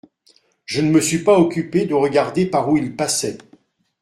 Je ne me suis pas occupé de regarder par où il passait.